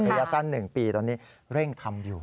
ระยะสั้น๑ปีตอนนี้เร่งทำอยู่